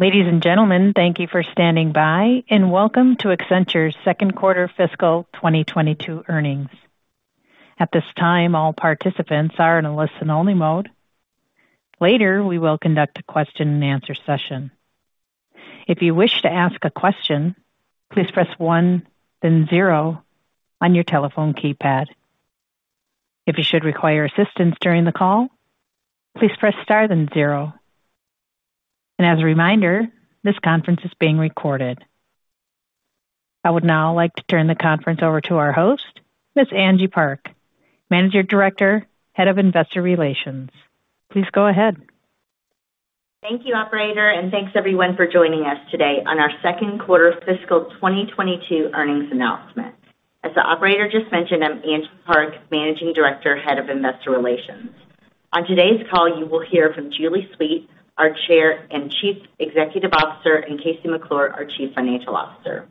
Ladies and gentlemen, thank you for standing by, and welcome to Accenture's Q2 2022 earnings. At this time, all participants are in a listen-only mode. Later, we will conduct a question and answer session. If you wish to ask a question, please press one then zero on your telephone keypad. If you should require assistance during the call, please press star then zero. As a reminder, this conference is being recorded. I would now like to turn the conference over to our host, Ms. Angie Park, Managing Director, Head of Investor Relations. Please go ahead. Thank you, operator, and thanks everyone for joining us today on our Q2 2022 earnings announcement. As the operator just mentioned, I'm Angie Park, Managing Director, Head of Investor Relations. On today's call, you will hear from Julie Sweet, our Chair and Chief Executive Officer, and KC McClure, our Chief Financial Officer.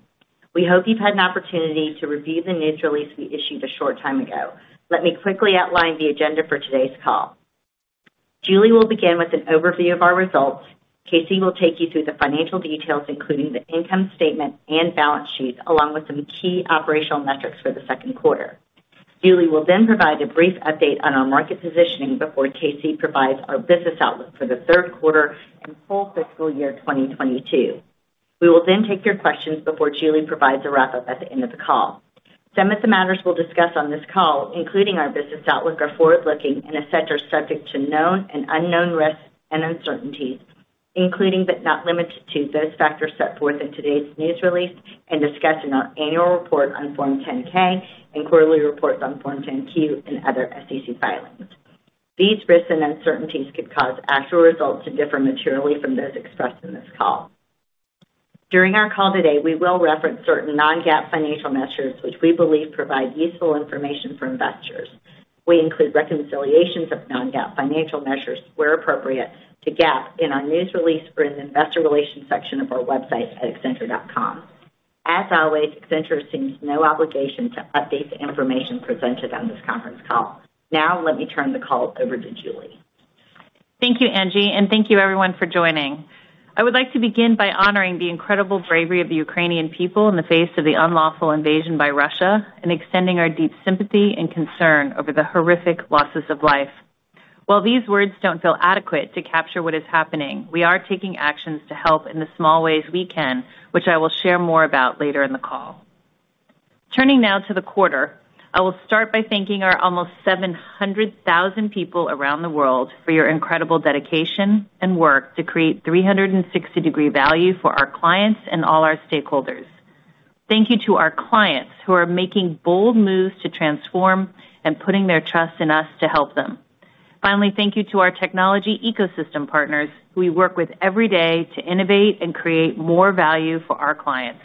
We hope you've had an opportunity to review the news release we issued a short time ago. Let me quickly outline the agenda for today's call. Julie will begin with an overview of our results. KC will take you through the financial details, including the income statement and balance sheet, along with some key operational metrics for the second quarter. Julie will then provide a brief update on our market positioning before KC provides our business outlook for the Q3 and full FY2022. We will then take your questions before Julie provides a wrap-up at the end of the call. Some of the matters we'll discuss on this call, including our business outlook, are forward-looking and are subject to known and unknown risks and uncertainties, including, but not limited to, those factors set forth in today's news release and discussed in our annual report on Form 10-K and quarterly reports on Form 10-Q and other SEC filings. These risks and uncertainties could cause actual results to differ materially from those expressed in this call. During our call today, we will reference certain non-GAAP financial measures which we believe provide useful information for investors. We include reconciliations of non-GAAP financial measures where appropriate to GAAP in our news release for an investor relations section of our website at accenture.com. As always, Accenture assumes no obligation to update the information presented on this conference call. Now let me turn the call over to Julie. Thank you, Angie, and thank you everyone for joining. I would like to begin by honoring the incredible bravery of the Ukrainian people in the face of the unlawful invasion by Russia and extending our deep sympathy and concern over the horrific losses of life. While these words don't feel adequate to capture what is happening, we are taking actions to help in the small ways we can, which I will share more about later in the call. Turning now to the quarter, I will start by thanking our almost 700,000 people around the world for your incredible dedication and work to create 360° Value for our clients and all our stakeholders. Thank you to our clients who are making bold moves to transform and putting their trust in us to help them. Finally, thank you to our technology ecosystem partners we work with every day to innovate and create more value for our clients.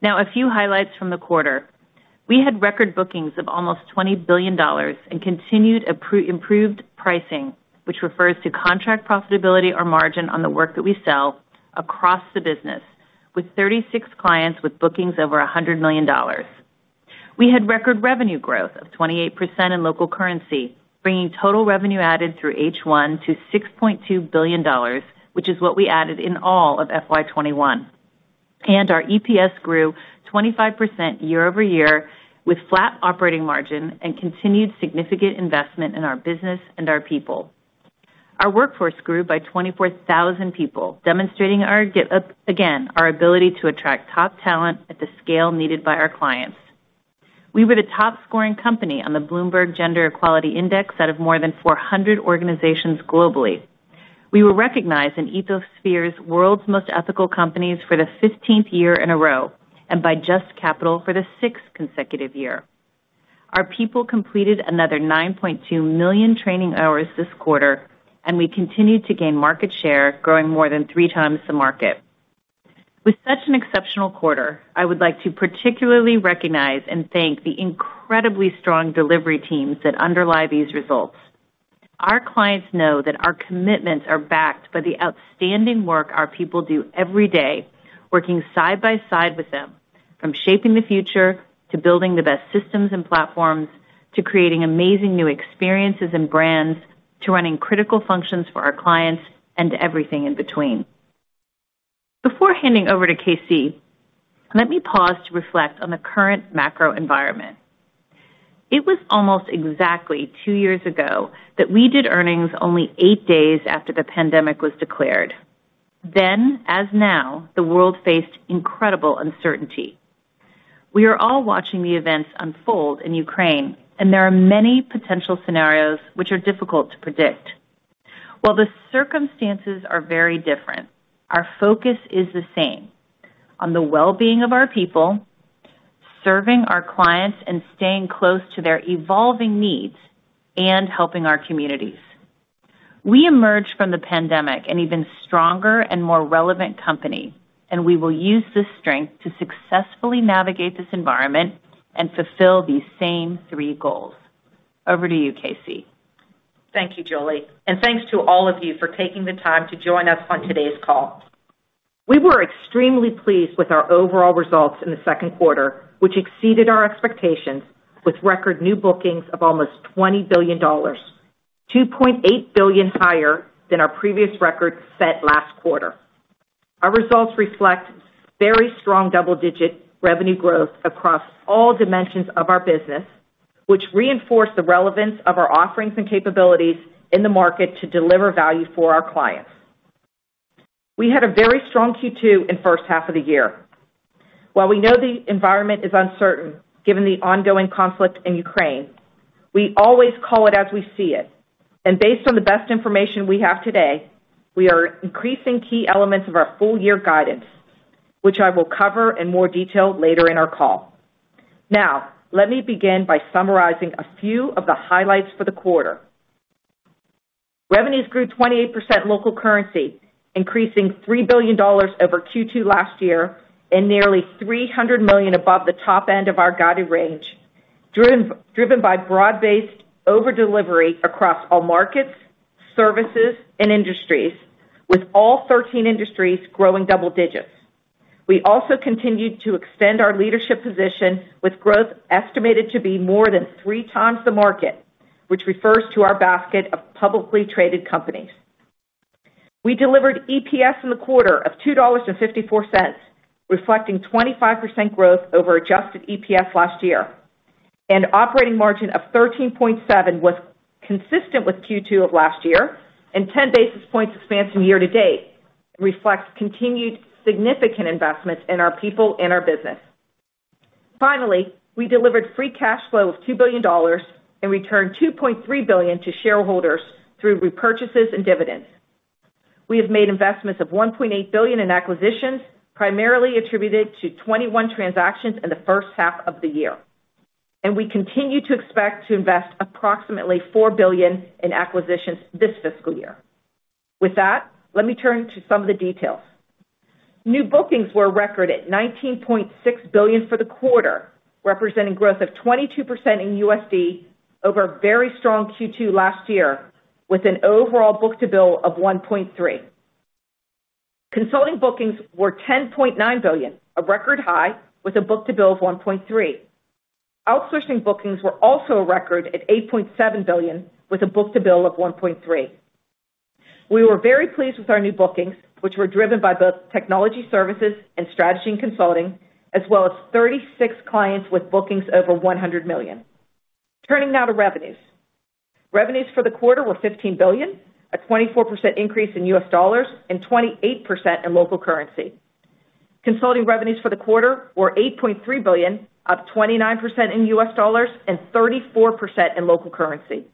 Now a few highlights from the quarter. We had record bookings of almost $20 billion and continued improved pricing, which refers to contract profitability or margin on the work that we sell across the business, with 36 clients with bookings over $100 million. We had record revenue growth of 28% in local currency, bringing total revenue added through H1 to $6.2 billion, which is what we added in all of FY2021. Our EPS grew 25% year-over-year with flat operating margin and continued significant investment in our business and our people. Our workforce grew by 24,000 people, demonstrating our ability to attract top talent at the scale needed by our clients. We were the top-scoring company on the Bloomberg Gender-Equality Index out of more than 400 organizations globally. We were recognized in Ethisphere's World's Most Ethical Companies for the 15th year in a row, and by JUST Capital for the six consecutive year. Our people completed another 9.2 million training hours this quarter, and we continued to gain market share, growing more than 3.0x The market. With such an exceptional quarter, I would like to particularly recognize and thank the incredibly strong delivery teams that underlie these results. Our clients know that our commitments are backed by the outstanding work our people do every day, working side by side with them, from shaping the future to building the best systems and platforms, to creating amazing new experiences and brands, to running critical functions for our clients and everything in between. Before handing over to KC, let me pause to reflect on the current macro environment. It was almost exactly two years ago that we did earnings only eight days after the pandemic was declared. Then, as now, the world faced incredible uncertainty. We are all watching the events unfold in Ukraine, and there are many potential scenarios which are difficult to predict. While the circumstances are very different, our focus is the same, on the well-being of our people, serving our clients and staying close to their evolving needs, and helping our communities. We emerge from the pandemic an even stronger and more relevant company, and we will use this strength to successfully navigate this environment and fulfill these same three goals. Over to you, KC. Thank you, Julie, and thanks to all of you for taking the time to join us on today's call. We were extremely pleased with our overall results in the second quarter, which exceeded our expectations with record new bookings of almost $20 billion to $2.8 billion higher than our previous record set last quarter. Our results reflect very strong double-digit revenue growth across all dimensions of our business, which reinforce the relevance of our offerings and capabilities in the market to deliver value for our clients. We had a very strong Q2 in H1 of the year. While we know the environment is uncertain, given the ongoing conflict in Ukraine, we always call it as we see it. Based on the best information we have today, we are increasing key elements of our full year guidance, which I will cover in more detail later in our call. Now, let me begin by summarizing a few of the highlights for the quarter. Revenues grew 28% local currency, increasing $3 billion over Q2 last year and nearly $300 million above the top end of our guided range, driven by broad-based over delivery across all markets, services, and industries, with all 13 industries growing double digits. We also continued to extend our leadership position with growth estimated to be more than 3.0x the market, which refers to our basket of publicly traded companies. We delivered EPS in the quarter of $2.54, reflecting 25% growth over adjusted EPS last year. Operating margin of 13.7% was consistent with Q2 of last year and 10 basis points expansion year to date, and reflects continued significant investments in our people and our business. Finally, we delivered free cash flow of $2 billion and returned $2.3 billion to shareholders through repurchases and dividends. We have made investments of $1.8 billion in acquisitions, primarily attributed to 21 transactions in the H1 of the year. We continue to expect to invest approximately $4 billion in acquisitions this fiscal year. With that, let me turn to some of the details. New bookings were a record at $19.6 billion for the quarter, representing growth of 22% in USD over a very strong Q2 last year, with an overall book-to-bill ratio of 1.3. Consulting bookings were $10.9 billion, a record high, with a book-to-bill ratio of 1.3. Outsourcing bookings were also a record at $8.7 billion, with a book-to-bill ration ratio of 1.3. We were very pleased with our new bookings, which were driven by both technology services and strategy and consulting, as well as 36 clients with bookings over $100 million. Turning now to revenues. Revenues for the quarter were $15 billion, a 24% increase in U.S. dollars and 28% in local currency. Consulting revenues for the quarter were $8.3 billion, up 29% in U.S. dollars and 34% in local currency.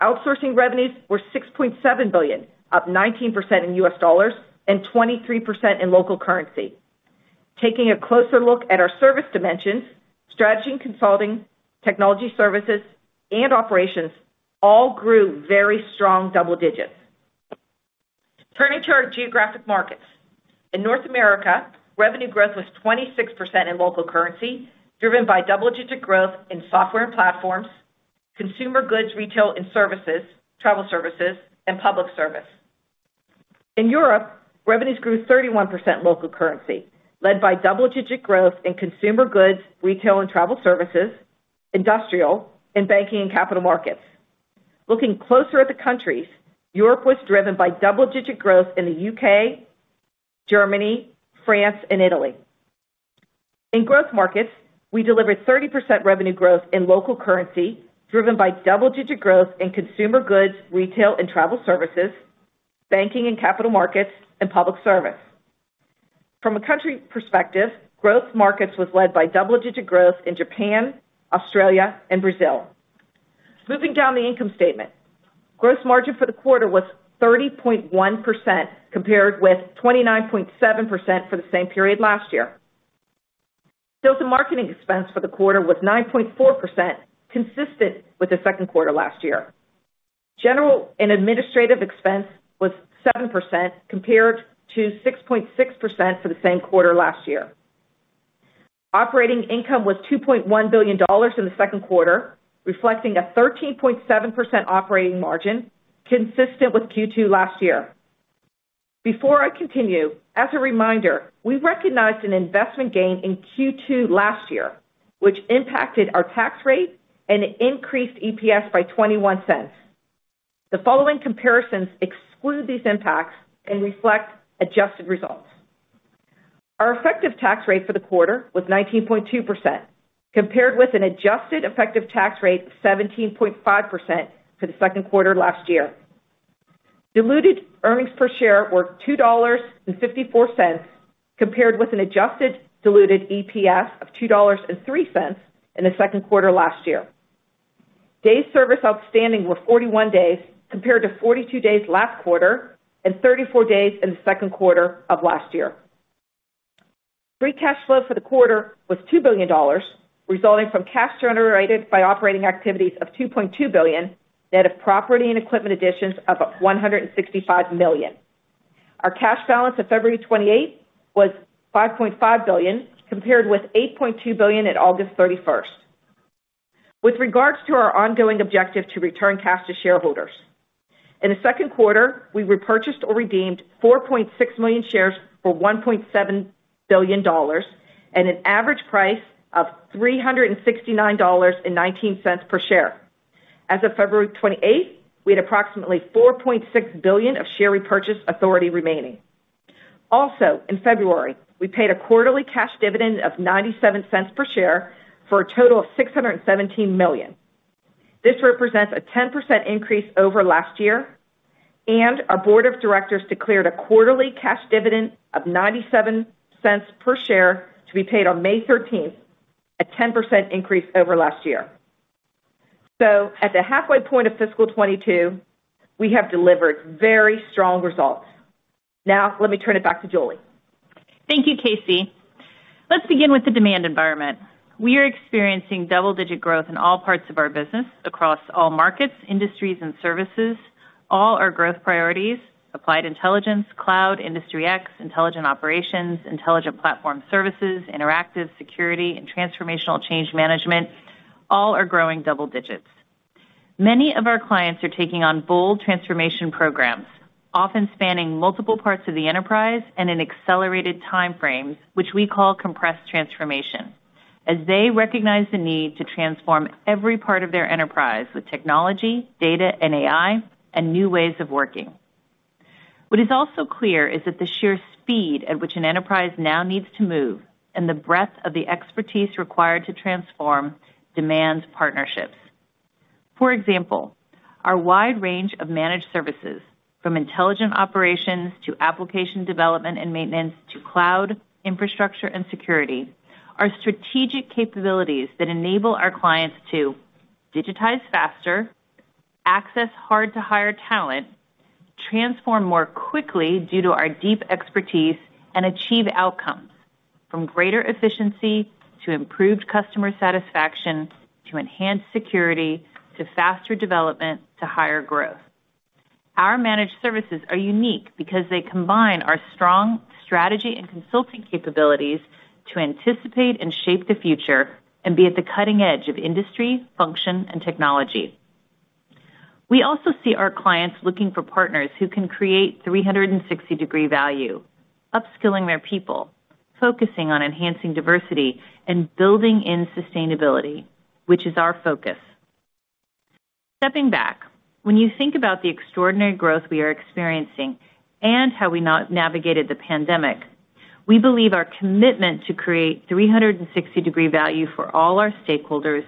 Outsourcing revenues were $6.7 billion, up 19% in U.S. dollars and 23% in local currency. Taking a closer look at our service dimensions, Strategy and Consulting, Technology Services and Operations all grew very strong double digits. Turning to our geographic markets. In North America, revenue growth was 26% in local currency, driven by double-digit growth in software and platforms, consumer goods, retail and services, travel services, and public service. In Europe, revenues grew 31% local currency, led by double-digit growth in consumer goods, retail and travel services, industrial, banking, and capital markets. Looking closer at the countries, Europe was driven by double-digit growth in the U.K., Germany, France and Italy. In growth markets, we delivered 30% revenue growth in local currency, driven by double-digit growth in consumer goods, retail and travel services, banking and capital markets, and public service. From a country perspective, growth markets was led by double-digit growth in Japan, Australia and Brazil. Moving down the income statement. Gross margin for the quarter was 30.1% compared with 29.7% for the same period last year. Sales and marketing expense for the quarter was 9.4%, consistent with the second quarter last year. General and administrative expense was 7% compared to 6.6% for the same quarter last year. Operating income was $2.1 billion in the Q2, reflecting a 13.7% operating margin consistent with Q2 last year. Before I continue, as a reminder, we recognized an investment gain in Q2 last year, which impacted our tax rate and increased EPS by $0.21. The following comparisons exclude these impacts and reflect adjusted results. Our effective tax rate for the quarter was 19.2%, compared with an adjusted effective tax rate of 17.5% for the second quarter last year. Diluted earnings per share were $2.54, compared with an adjusted diluted EPS of $2.03 in the second quarter last year. Days service outstanding were 41 days, compared to 42 days last quarter and 34 days in the Q2 of last year. Free cash flow for the quarter was $2 billion, resulting from cash generated by operating activities of $2.2 billion net of property and equipment additions of $165 million. Our cash balance of February 28 was $5.5 billion, compared with $8.2 billion at August 31. With regards to our ongoing objective to return cash to shareholders. In the second quarter, we repurchased or redeemed 4.6 million shares for $1.7 billion at an average price of $369.19 per share. As of February 28, we had approximately $4.6 billion of share repurchase authority remaining. Also, in February, we paid a quarterly cash dividend of $0.97 per share for a total of $617 million. This represents a 10% increase over last year, and our Board of directors declared a quarterly cash dividend of $0.97 per share to be paid on May 13, a 10% increase over last year. At the halfway point of FY2022, we have delivered very strong results. Now let me turn it back to Julie. Thank you, KC McClure. Let's begin with the demand environment. We are experiencing double-digit growth in all parts of our business across all markets, industries, and services. All our growth priorities, Applied Intelligence, cloud, Industry X, Intelligent Operations, Intelligent Platform Services, Interactive and Security, and transformational change management all are growing double digits. Many of our clients are taking on bold transformation programs, often spanning multiple parts of the enterprise and in accelerated time frames, which we call compressed transformation, as they recognize the need to transform every part of their enterprise with technology, data, and AI, and new ways of working. What is also clear is that the sheer speed at which an enterprise now needs to move and the breadth of the expertise required to transform demands partnerships. For example, our wide range of managed services, from Intelligent Operations to application development and maintenance to cloud infrastructure and security, are strategic capabilities that enable our clients to digitize faster, access hard-to-hire talent, transform more quickly due to our deep expertise, and achieve outcomes from greater efficiency to improved customer satisfaction, to enhanced security, to faster development, to higher growth. Our managed services are unique because they combine our strong strategy and consulting capabilities to anticipate and shape the future and be at the cutting edge of industry, function, and technology. We also see our clients looking for partners who can create 360° Value, upskilling their people, focusing on enhancing diversity, and building in sustainability, which is our focus. Stepping back, when you think about the extraordinary growth we are experiencing and how we navigated the pandemic, we believe our commitment to create 360° Value for all our stakeholders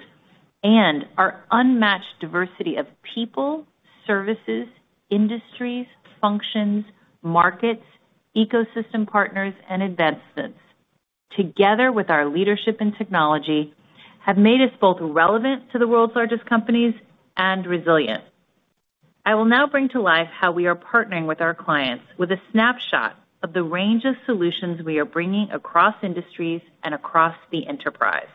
and our unmatched diversity of people, services, industries, functions, markets, ecosystem partners, and advancements together with our leadership in technology have made us both relevant to the world's largest companies and resilient. I will now bring to life how we are partnering with our clients with a snapshot of the range of solutions we are bringing across industries and across the enterprise.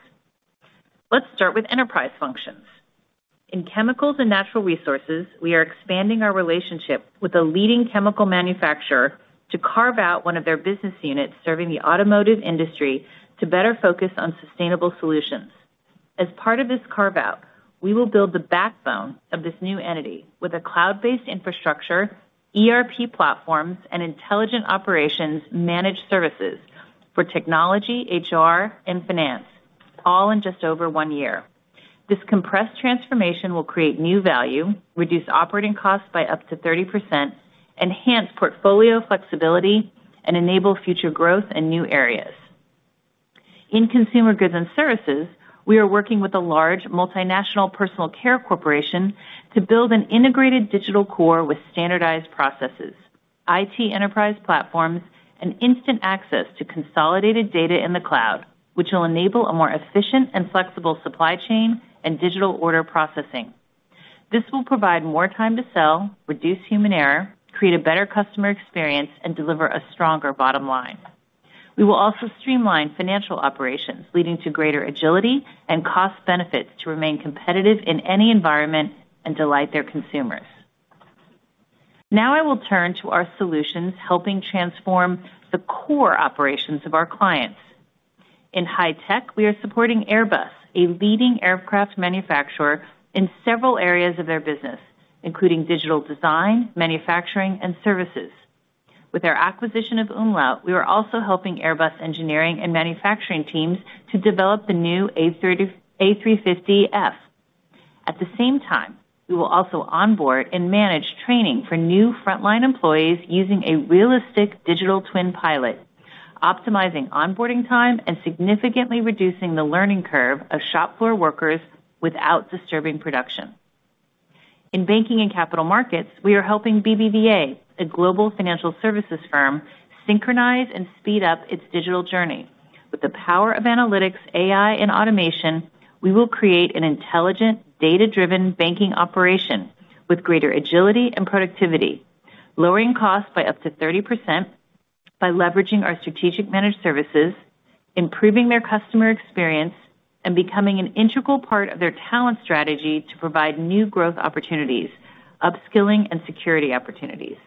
Let's start with enterprise functions. In chemicals and natural resources, we are expanding our relationship with a leading chemical manufacturer to carve out one of their business units serving the automotive industry to better focus on sustainable solutions. As part of this carve-out, we will build the backbone of this new entity with a cloud-based infrastructure, ERP platforms, and Intelligent Operations managed services for technology, HR, and finance, all in just over one year. This compressed transformation will create new value, reduce operating costs by up to 30%, enhance portfolio flexibility, and enable future growth in new areas. In consumer goods and services, we are working with a large multinational personal care corporation to build an integrated digital core with standardized processes, IT enterprise platforms, and instant access to consolidated data in the cloud, which will enable a more efficient and flexible supply chain and digital order processing. This will provide more time to sell, reduce human error, create a better customer experience, and deliver a stronger bottom line. We will also streamline financial operations, leading to greater agility and cost benefits to remain competitive in any environment and delight their consumers. Now I will turn to our solutions helping transform the core operations of our clients. In high tech, we are supporting Airbus, a leading aircraft manufacturer, in several areas of their business, including digital design, manufacturing, and services. With our acquisition of umlaut, we are also helping Airbus engineering and manufacturing teams to develop the new A350F. At the same time, we will also onboard and manage training for new frontline employees using a realistic digital twin pilot, optimizing onboarding time and significantly reducing the learning curve of shop floor workers without disturbing production. In banking and capital markets, we are helping BBVA, a global financial services firm, synchronize and speed up its digital journey. With the power of analytics, AI, and automation, we will create an intelligent, data-driven banking operation with greater agility and productivity, lowering costs by up to 30% by leveraging our strategic managed services, improving their customer experience, and becoming an integral part of their talent strategy to provide new growth opportunities, upskilling and security opportunities.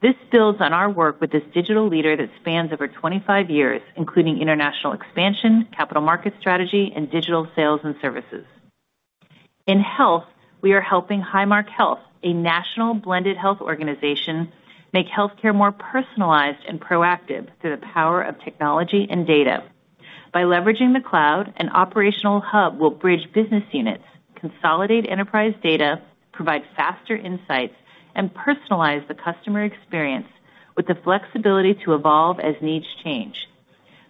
This builds on our work with this digital leader that spans over 25 years, including international expansion, capital market strategy, and digital sales and services. In health, we are helping Highmark Health, a national blended health organization, make healthcare more personalized and proactive through the power of technology and data. By leveraging the cloud, an operational hub will bridge business units, consolidate enterprise data, provide faster insights, and personalize the customer experience with the flexibility to evolve as needs change.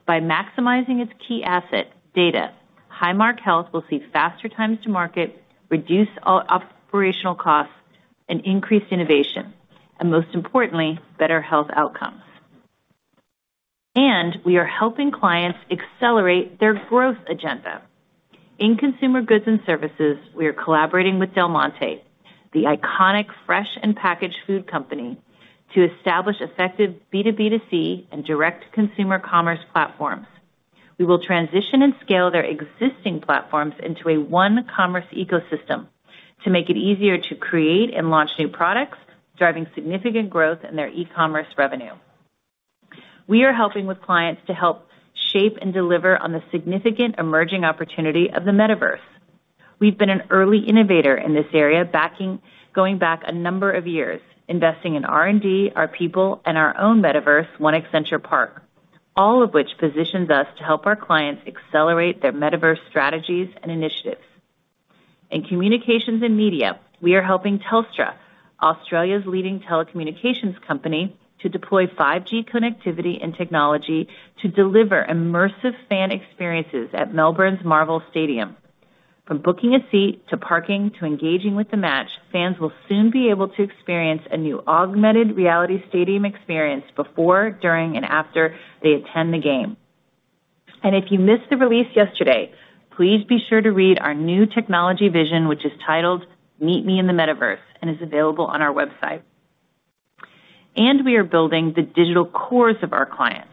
By maximizing its key asset, data, Highmark Health will see faster times to market, reduce operational costs, and increase innovation, and most importantly, better health outcomes. We are helping clients accelerate their growth agenda. In consumer goods and services, we are collaborating with Del Monte, the iconic fresh and packaged food company, to establish effective B2B2C and direct-to-consumer commerce platforms. We will transition and scale their existing platforms into a one commerce ecosystem to make it easier to create and launch new products, driving significant growth in their e-commerce revenue. We are helping clients to help shape and deliver on the significant emerging opportunity of the metaverse. We've been an early innovator in this area, going back a number of years, investing in R&D, our people, and our own metaverse, One Accenture Park, all of which positions us to help our clients accelerate their metaverse strategies and initiatives. In communications and media, we are helping Telstra, Australia's leading telecommunications company, to deploy 5G connectivity and technology to deliver immersive fan experiences at Melbourne's Marvel Stadium. From booking a seat, to parking, to engaging with the match, fans will soon be able to experience a new augmented reality stadium experience before, during, and after they attend the game. If you missed the release yesterday, please be sure to read our new technology vision, which is titled Meet Me in the Metaverse, and is available on our website. We are building the digital cores of our clients,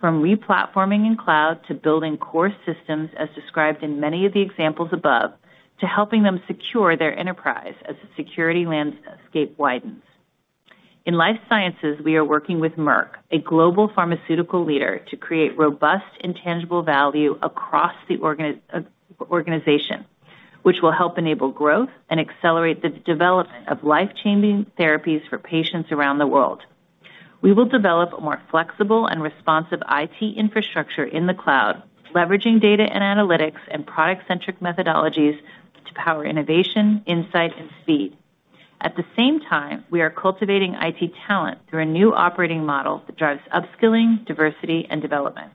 from re-platforming in cloud to building core systems as described in many of the examples above, to helping them secure their enterprise as the security landscape widens. In life sciences, we are working with Merck, a global pharmaceutical leader, to create robust and tangible value across the organization, which will help enable growth and accelerate the development of life-changing therapies for patients around the world. We will develop a more flexible and responsive IT infrastructure in the cloud, leveraging data and analytics and product-centric methodologies to power innovation, insight, and speed. At the same time, we are cultivating IT talent through a new operating model that drives upskilling, diversity, and development.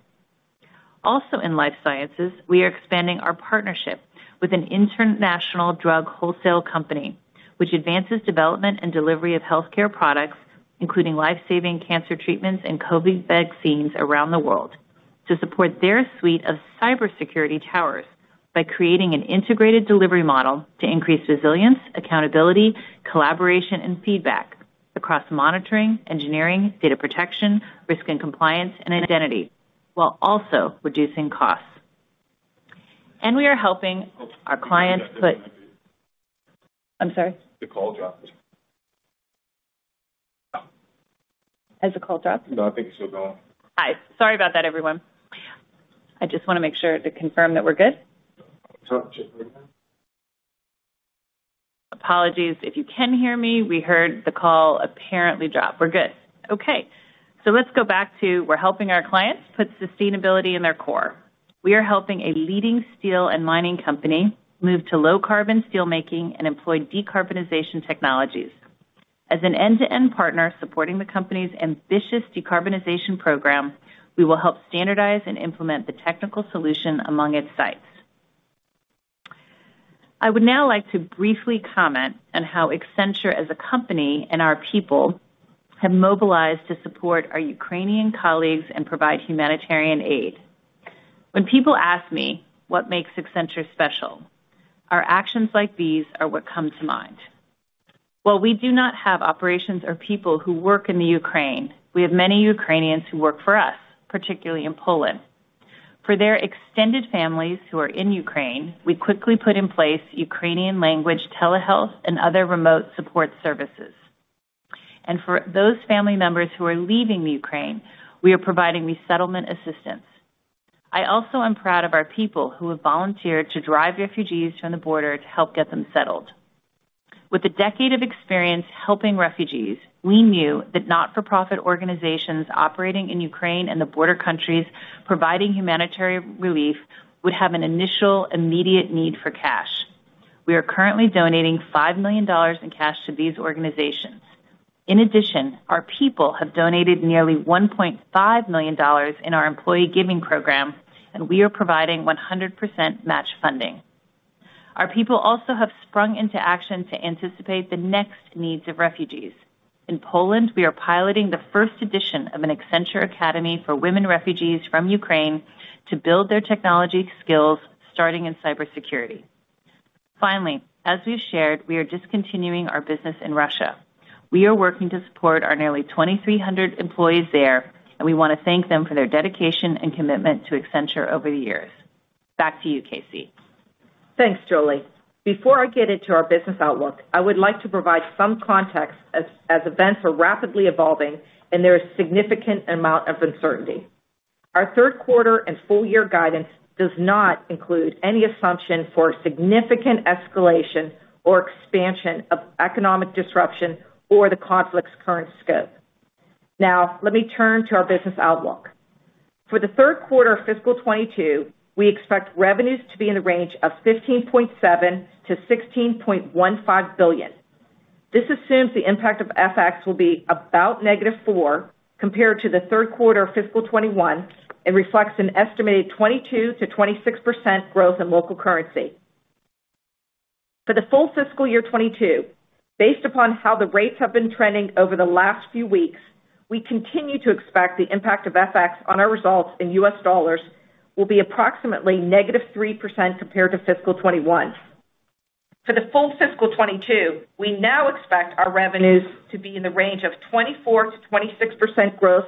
Also, in life sciences, we are expanding our partnership with an international drug wholesale company, which advances development and delivery of healthcare products, including life-saving cancer treatments and COVID-19 vaccines around the world, to support their suite of cybersecurity towers by creating an integrated delivery model to increase resilience, accountability, collaboration, and feedback across monitoring, engineering, data protection, risk and compliance, and identity, while also reducing costs. We are helping our clients. I'm sorry? The call dropped. Has the call dropped? No, I think it's still going. Hi. Sorry about that, everyone. I just wanna make sure to confirm that we're good. Talk to Apologies if you can't hear me. We heard the call apparently dropped. We're good. Okay. Let's go back to we're helping our clients put sustainability in their core. We are helping a leading steel and mining company move to low-carbon steelmaking and employ decarbonization technologies. As an end-to-end partner supporting the company's ambitious decarbonization program, we will help standardize and implement the technical solution among its sites. I would now like to briefly comment on how Accenture as a company and our people have mobilized to support our Ukrainian colleagues and provide humanitarian aid. When people ask me what makes Accenture special, our actions like these are what come to mind. While we do not have operations or people who work in Ukraine, we have many Ukrainians who work for us, particularly in Poland. For their extended families who are in Ukraine, we quickly put in place Ukrainian language telehealth and other remote support services. For those family members who are leaving the Ukraine, we are providing resettlement assistance. I also am proud of our people who have volunteered to drive refugees from the border to help get them settled. With a decade of experience helping refugees, we knew that not-for-profit organizations operating in Ukraine and the border countries providing humanitarian relief would have an initial immediate need for cash. We are currently donating $5 million in cash to these organizations. In addition, our people have donated nearly $1.5 million in our employee giving program, and we are providing 100% match funding. Our people also have sprung into action to anticipate the next needs of refugees. In Poland, we are piloting the first edition of an Accenture academy for women refugees from Ukraine to build their technology skills, starting in cybersecurity. Finally, as we've shared, we are discontinuing our business in Russia. We are working to support our nearly 2,300 employees there, and we wanna thank them for their dedication and commitment to Accenture over the years. Back to you, KC McClure. Thanks, Julie. Before I get into our business outlook, I would like to provide some context as events are rapidly evolving and there is significant amount of uncertainty. Our Q3 and full-year guidance does not include any assumption for significant escalation or expansion of economic disruption or the conflict's current scope. Now let me turn to our business outlook. For the Q3 FY2022, we expect revenues to be in the range of $15.7 billion-$16.15 billion. This assumes the impact of FX will be about negative 4% compared to the Q3 of FY2021 and reflects an estimated 22%-26% growth in local currency. For the full FY2022, based upon how the rates have been trending over the last few weeks, we continue to expect the impact of FX on our results in U.S. dollars will be approximately -3% compared to FY2021. For the full FY2022, we now expect our revenues to be in the range of 24%-26% growth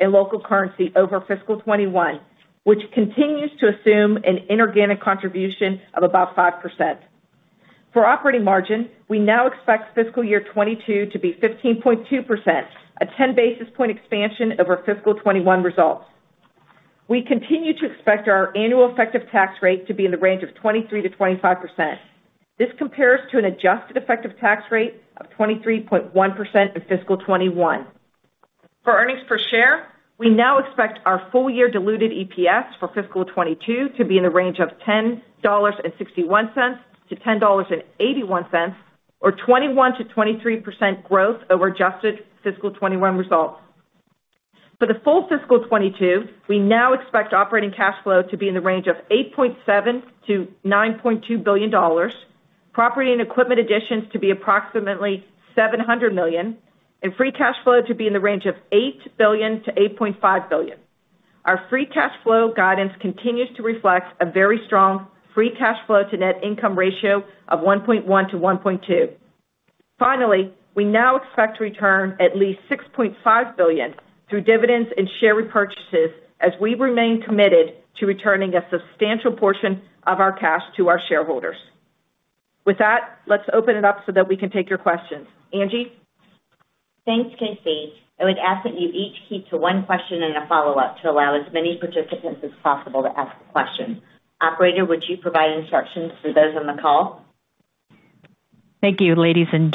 in local currency over FY2021, which continues to assume an inorganic contribution of about 5%. For operating margin, we now expect fiscal year 2022 to be 15.2%, a 10 basis point expansion over FY2021 results. We continue to expect our annual effective tax rate to be in the range of 23%-25%. This compares to an adjusted effective tax rate of 23.1% in FY2021. For earnings per share, we now expect our full-year diluted EPS for FY2022 to be in the range of $10.61-$10.81 or 21%-23% growth over adjusted FY2021 results. For the full FY2022, we now expect operating cash flow to be in the range of $8.7 billion-$9.2 billion, property and equipment additions to be approximately $700 million, and free cash flow to be in the range of $8 billion-$8.5 billion. Our free cash flow guidance continues to reflect a very strong free cash flow to net income ratio of 1.1-1.2. Finally, we now expect to return at least $6.5 billion through dividends and share repurchases as we remain committed to returning a substantial portion of our cash to our shareholders. With that, let's open it up so that we can take your questions. Angie? Thanks, Casey. I would ask that you each keep to one question and a follow-up to allow as many participants as possible to ask a question. Operator, would you provide instructions for those on the call? Our first question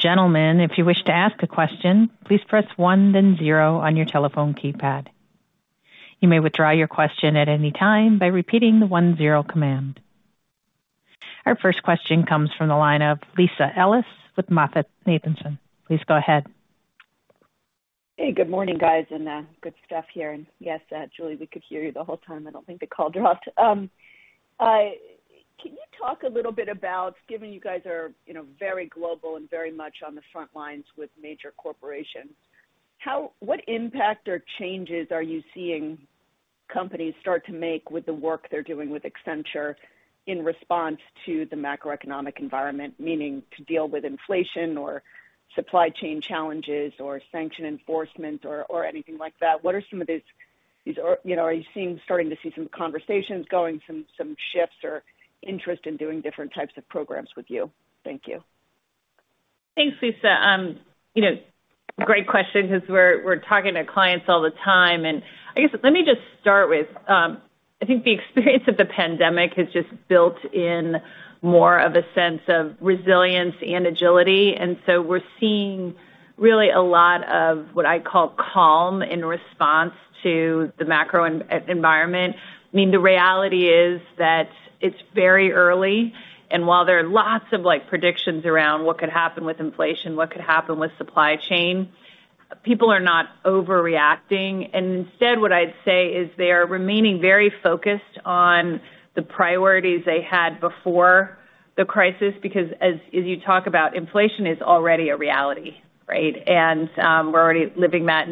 comes from the line of Lisa Ellis with MoffettNathanson. Please go ahead. Hey, good morning, guys, and good stuff here. Yes, Julie, we could hear you the whole time. I don't think the call dropped. Can you talk a little bit about, given you guys are, you know, very global and very much on the front lines with major corporations, what impact or changes are you seeing companies start to make with the work they're doing with Accenture in response to the macroeconomic environment, meaning to deal with inflation or supply chain challenges or sanction enforcement or anything like that? What are some of these? Are you starting to see some conversations going, some shifts or interest in doing different types of programs with you? Thank you. Thanks, Lisa. Great question because we're talking to clients all the time. I guess let me just start with, I think the experience of the pandemic has just built in more of a sense of resilience and agility. We're seeing really a lot of what I call calm in response to the macro environment. I mean, the reality is that it's very early. While there are lots of, like, predictions around what could happen with inflation, what could happen with supply chain, people are not overreacting. Instead, what I'd say is they are remaining very focused on the priorities they had before the crisis because as you talk about inflation is already a reality, right? We're already living that.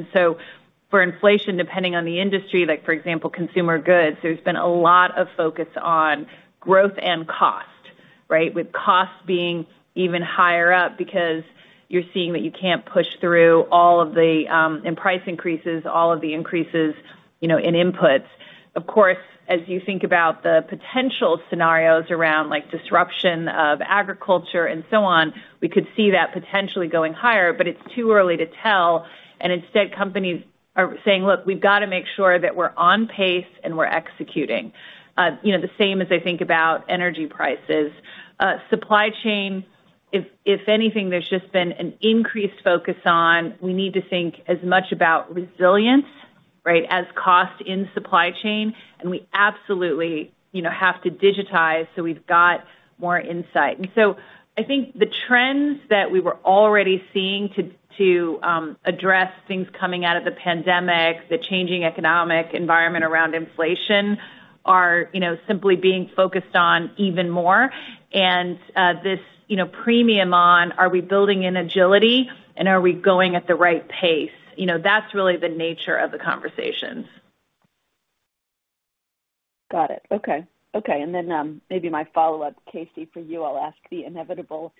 For inflation, depending on the industry, like for example, consumer goods, there's been a lot of focus on growth and cost, right? With cost being even higher up because you're seeing that you can't push through all of the price increases, in inputs. Of course, as you think about the potential scenarios around like disruption of agriculture and so on, we could see that potentially going higher, but it's too early to tell. Instead, companies are saying, "Look, we've got to make sure that we're on pace and we're executing." The same as I think about energy prices. Supply chain, if anything, there's just been an increased focus on we need to think as much about resilience, right, as cost in supply chain, and we absolutely, have to digitize, so we've got more insight. I think the trends that we were already seeing to address things coming out of the pandemic, the changing economic environment around inflation are, you know, simply being focused on even more. This, premium on are we building in agility and are we going at the right pace. That's really the nature of the conversations. Got it. Okay. Maybe my follow-up, Casey, for you. I'll ask the inevitable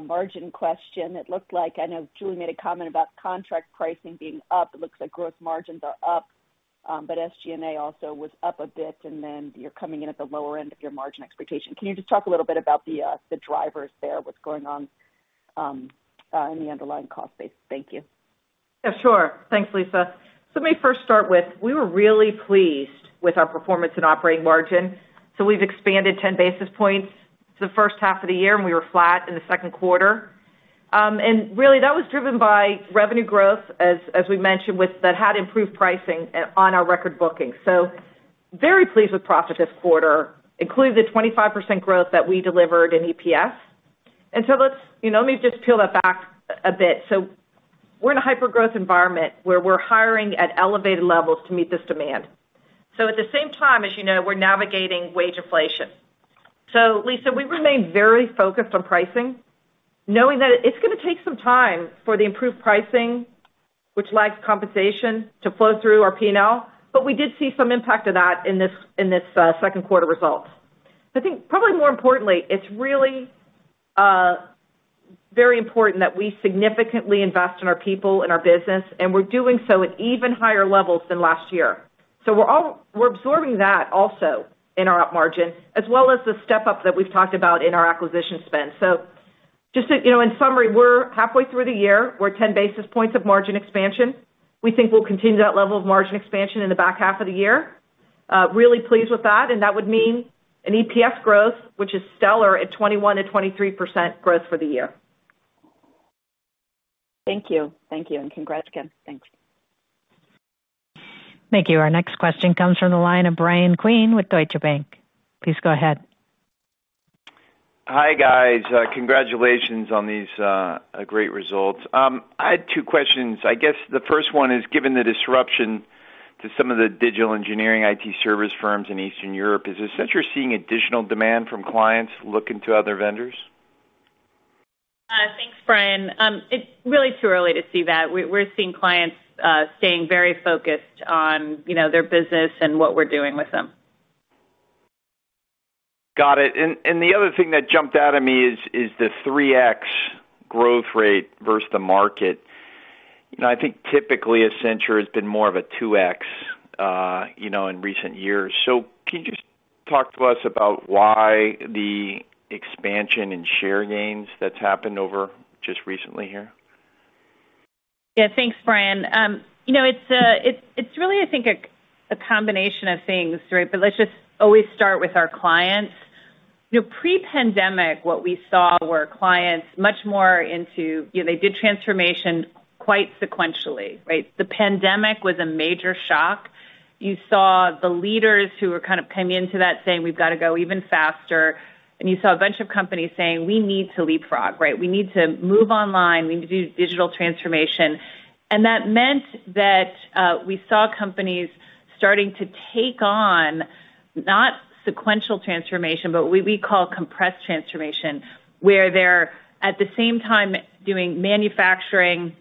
margin question. It looked like you know Julie made a comment about contract pricing being up. It looks like growth margins are up. But SG&A also was up a bit, and then you're coming in at the lower end of your margin expectation. Can you just talk a little bit about the drivers there, what's going on in the underlying cost base? Thank you. Yeah, sure. Thanks, Lisa. Let me first start with our performance in operating margin. We were really pleased with it. We've expanded 10 basis points in the H1 of the year, and we were flat in the Q2. Really, that was driven by revenue growth, as we mentioned, with the improved pricing on our record bookings. Very pleased with profit this quarter, including the 25% growth that we delivered in EPS. Let's, peel that back a bit. We're in a hyper-growth environment where we're hiring at elevated levels to meet this demand. At the same time, we're navigating wage inflation. Lisa, we remain very focused on pricing, knowing that it's gonna take some time for the improved pricing, which lags compensation, to flow through our P&L. We did see some impact of that in this second quarter results. I think probably more importantly, it's really very important that we significantly invest in our people and our business, and we're doing so at even higher levels than last year. We're absorbing that also in our op margin, as well as the step-up that we've talked about in our acquisition spend. Just so you know, in summary, we're halfway through the year. We're 10 basis points of margin expansion. We think we'll continue that level of margin expansion in the back half of the year. Really pleased with that, and that would mean an EPS growth, which is stellar at 21%-23% growth for the year. Thank you. Thank you, and congrats again. Thanks. Thank you. Our next question comes from the line of Bryan Keane with Deutsche Bank. Please go ahead. Hi, guys. Congratulations on these great results. I had two questions. I guess the first one is, given the disruption to some of the digital engineering IT service firms in Eastern Europe, is Accenture seeing additional demand from clients looking to other vendors? Thanks, Brian. It's really too early to see that. We're seeing clients staying very focused on, you know, their business and what we're doing with them. Got it. The other thing that jumped out at me is the 3.0x growth rate versus the market. I think typically, Accenture has been more of a 2.0x, in recent years. Can you just talk to us about why the expansion in share gains that's happened over just recently here? Yeah. Thanks, Brian. Ihink, a combination of things, right? Let's just always start with our clients. Pre-pandemic, what we saw were clients much more into transformation. They did transformation quite sequentially, right? The pandemic was a major shock. You saw the leaders who were kind of coming into that saying, "We've got to go even faster." You saw a bunch of companies saying, "We need to leapfrog," right? "We need to move online. We need to do digital transformation." That meant that we saw companies starting to take on not sequential transformation, but what we call compressed transformation, where they're at the same time doing manufacturing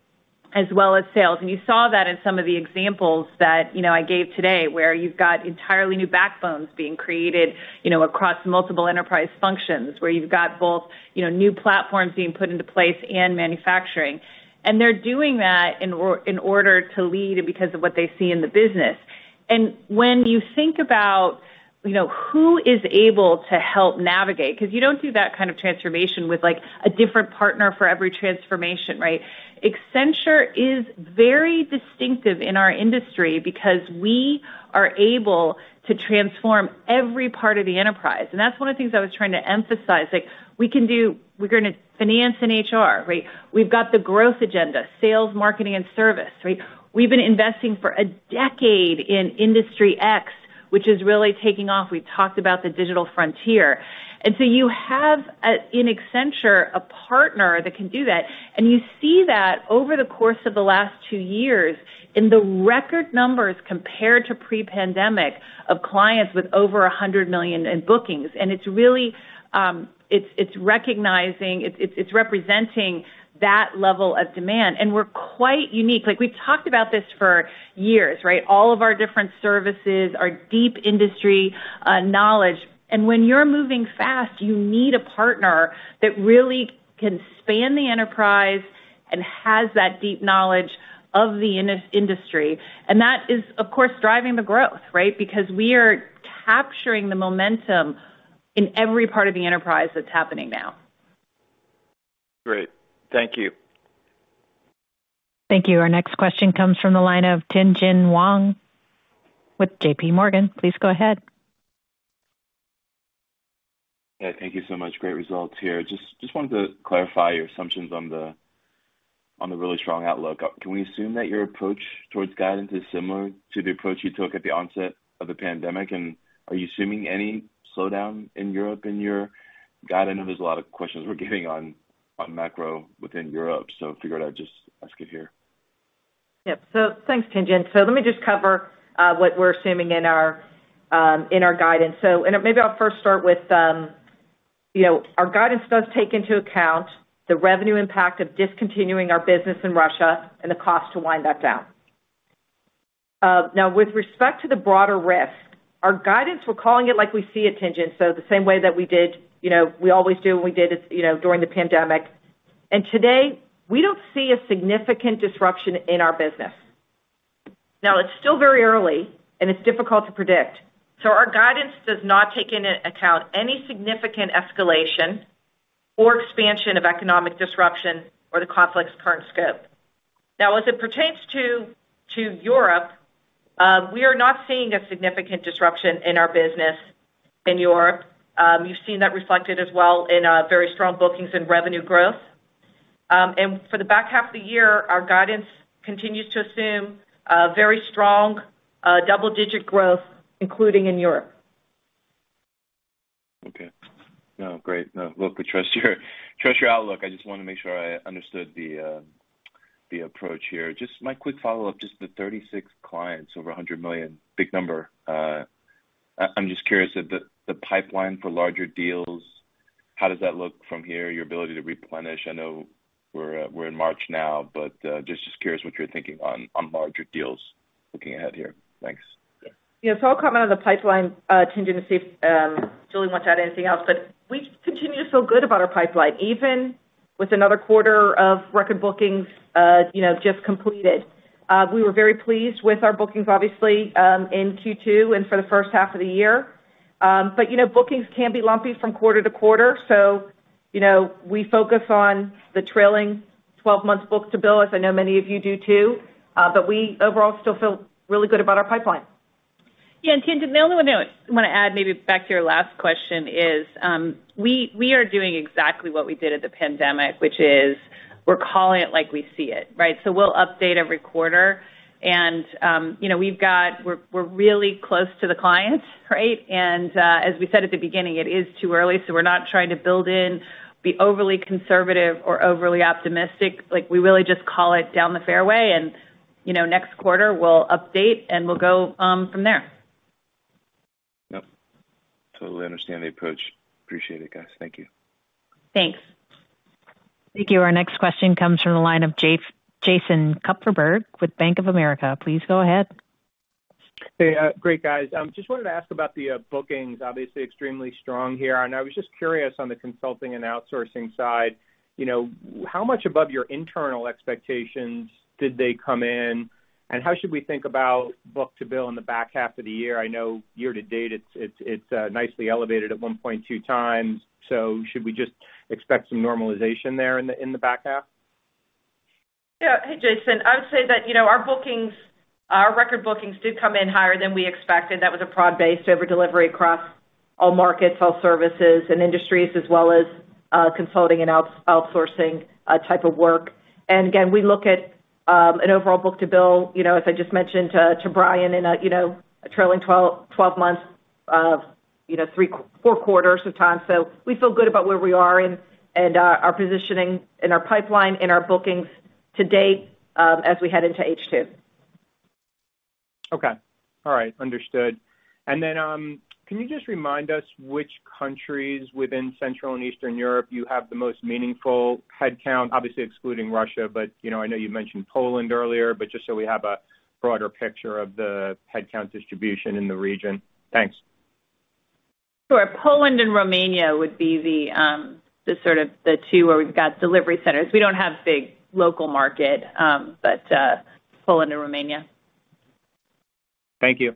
as well as sales. You saw that in some of the examples that, you know, I gave today, where you've got entirely new backbones being created, across multiple enterprise functions, where you've got both, new platforms being put into place and manufacturing. They're doing that in order to lead because of what they see in the business. When you think about, who is able to help navigate, because you don't do that kind of transformation with, like, a different partner for every transformation, right? Accenture is very distinctive in our industry because we are able to transform every part of the enterprise. That's one of the things I was trying to emphasize. Like, we can do. We go into finance and HR, right? We've got the growth agenda, sales, marketing, and service, right? We've been investing for a decade in Industry X, which is really taking off. We've talked about the digital frontier. You have in Accenture, a partner that can do that. You see that over the course of the last two years in the record numbers compared to pre-pandemic of clients with over 100 million in bookings. It's really, it's recognizing, it's representing that level of demand, and we're quite unique. Like, we've talked about this for years, right? All of our different services, our deep industry knowledge. When you're moving fast, you need a partner that really can span the enterprise and has that deep knowledge of the industry. That is, of course, driving the growth, right? Because we are capturing the momentum in every part of the enterprise that's happening now. Great. Thank you. Thank you. Our next question comes from the line of Tien-Tsin Huang with J.P. Morgan. Please go ahead. Yeah, thank you so much. Great results here. Just wanted to clarify your assumptions on the really strong outlook. Can we assume that your approach towards guidance is similar to the approach you took at the onset of the pandemic? Are you assuming any slowdown in Europe in your guidance? I know there's a lot of questions we're getting on macro within Europe, so figured I'd just ask it here. Yeah. Thanks, Tien-Tsin. Let me just cover what we're assuming in our guidance. Maybe I'll first start with you know our guidance does take into account the revenue impact of discontinuing our business in Russia and the cost to wind that down. Now with respect to the broader risk, our guidance, we're calling it like we see it, Tien-Tsin. The same way that we did, you know, we always do and we did it, during the pandemic. Today, we don't see a significant disruption in our business. Now it's still very early and it's difficult to predict, so our guidance does not take into account any significant escalation or expansion of economic disruption or the conflict's current scope. Now, as it pertains to Europe, we are not seeing a significant disruption in our business in Europe. You've seen that reflected as well in very strong bookings and revenue growth. And for the back half of the year, our guidance continues to assume very strong double-digit growth, including in Europe. Okay. No, great. No, look, we trust your outlook. I just wanna make sure I understood the approach here. Just my quick follow-up, just the 36 clients over $100 million, big number. I'm just curious if the pipeline for larger deals, how does that look from here, your ability to replenish? I know we're in March now, but just curious what you're thinking on larger deals looking ahead here. Thanks. I'll comment on the pipeline, Tien-Tsin Huang, to see if Julie Sweet wants to add anything else. We continue to feel good about our pipeline, even with another quarter of record bookings, just completed. We were very pleased with our bookings, obviously, in Q2 and for the first half of the year. Bookings can be lumpy from quarter to quarter. We focus on the trailing twelve months book-to-bill, as I know many of you do too. We overall still feel really good about our pipeline. Yeah. Tien-Tsin Huang, the only one note I wanna add maybe back to your last question is, we are doing exactly what we did during the pandemic, which is we're calling it like we see it, right? We'll update every quarter and, we're really close to the clients, right? As we said at the beginning, it is too early, so we're not trying to build in, be overly conservative or overly optimistic. Like, we really just call it down the fairway and, you know, next quarter we'll update and we'll go from there. Yep. Totally understand the approach. Appreciate it, guys. Thank you. Thanks. Thank you. Our next question comes from the line of Jason Kupferberg with Bank of America. Please go ahead. Hey. Great, guys. Just wanted to ask about the bookings, obviously extremely strong here. I was just curious on the consulting and outsourcing side, how much above your internal expectations did they come in, and how should we think about book-to-bill in the back half of the year? I know year to date it's nicely elevated at 1.2x. Should we just expect some normalization there in the back half? Yeah. Hey, Jason. I would say that, you know, our bookings, our record bookings did come in higher than we expected. That was a broad-based over-delivery across all markets, all services and industries, as well as, consulting and outsourcing type of work. Again, we look at an overall book-to-bill, you know, as I just mentioned to Brian in a, you know, a trailing twelve months of three or four quarters of time. We feel good about where we are and our positioning and our pipeline and our bookings to date, as we head into H2. Okay. All right. Understood. Can you just remind us which countries within Central and Eastern Europe you have the most meaningful headcount, obviously excluding Russia, but, I know you mentioned Poland earlier, but just so we have a broader picture of the headcount distribution in the region. Thanks. Sure. Poland and Romania would be the sort of the two where we've got delivery centers. We don't have big local market, but Poland and Romania. Thank you.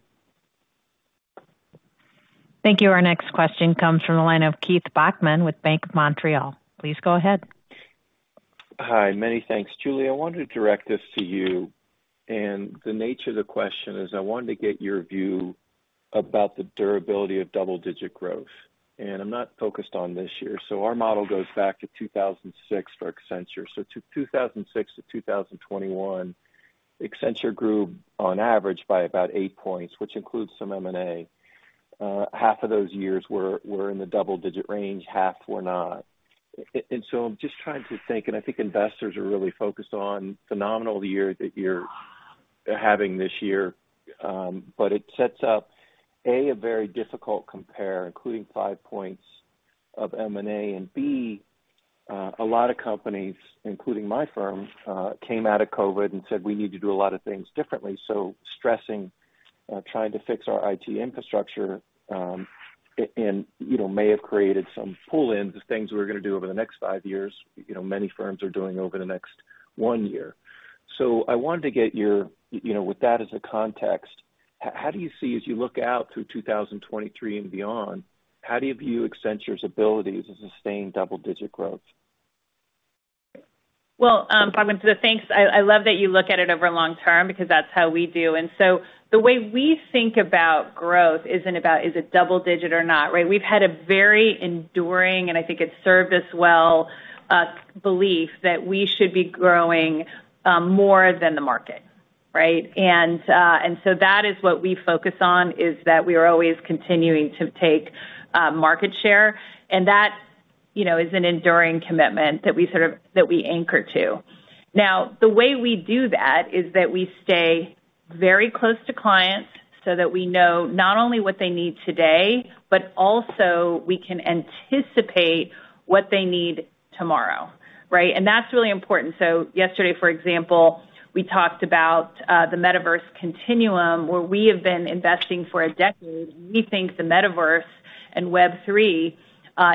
Thank you. Our next question comes from the line of Keith Bachman with BMO Capital Markets. Please go ahead. Hi. Many thanks. Julie, I wanted to direct this to you, and the nature of the question is I wanted to get your view about the durability of double-digit growth. I'm not focused on this year. Our model goes back to 2006 for Accenture. To 2006 to 2021, Accenture grew on average by about 8%, which includes some M&A. Half of those years were in the double-digit range, half were not. I'm just trying to think, and I think investors are really focused on phenomenal year that you're having this year, but it sets up, A, a very difficult compare, including 5% of M&A. B, a lot of companies, including my firm, came out of COVID-19 and said, we need to do a lot of things differently. Stressing trying to fix our IT infrastructure and, may have created some pull in to things we're gonna do over the next five years, many firms are doing over the next one year. I wanted to get your, with that as a context, how do you see as you look out through 2023 and beyond, how do you view Accenture's ability to sustain double-digit growth? Well, Bachman, thanks. I love that you look at it over long term because that's how we do. The way we think about growth isn't about is it double digit or not, right? We've had a very enduring, and I think it's served us well, belief that we should be growing, more than the market, right? That is what we focus on, is that we are always continuing to take market share, and that, you know, is an enduring commitment that we anchor to. Now, the way we do that is that we stay very close to clients so that we know not only what they need today, but also we can anticipate what they need tomorrow, right? That's really important. Yesterday, for example, we talked about the Metaverse Continuum, where we have been investing for a decade. We think the metaverse and Web3